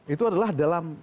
itu adalah dalam